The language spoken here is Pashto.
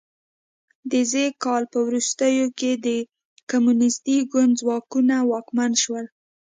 د ز کال په وروستیو کې د کمونیستي ګوند ځواکونه واکمن شول.